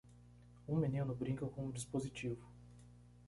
Um menino brinca com um dispositivo.